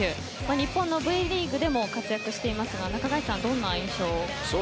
日本のＶリーグでも活躍していますが中垣内さんはどんな印象をお持ちですか？